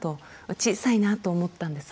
小さいなと思ったんです。